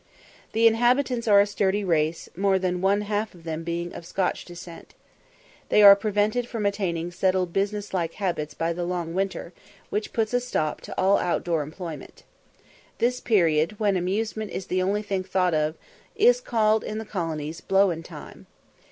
The inhabitants are a sturdy race, more than one half of them being of Scotch descent. They are prevented from attaining settled business like habits by the long winter, which puts a stop to all out door employment. This period, when amusement is the only thing thought of, is called in the colonies "blowin time."